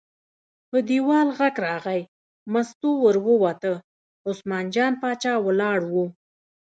په دیوال غږ راغی، مستو ور ووته، عثمان جان باچا ولاړ و.